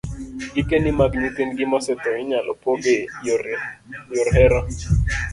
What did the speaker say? Gikeni mag nyithindgi mosetho inyalo pog e yor hera